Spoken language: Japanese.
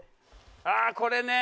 ああこれね！